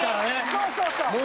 そうそうそう。